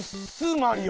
マリオ。